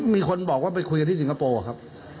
มีคนว่าไปคุยกับที่สิงคโปร์